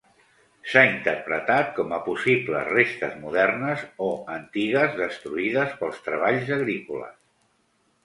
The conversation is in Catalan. S'ha interpretat com a possibles restes modernes o antigues destruïdes pels treballs agrícoles.